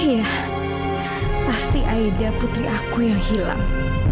ya pasti aida putri aku yang hilang